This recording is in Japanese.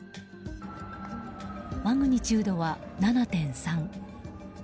マグニチュードは７．３。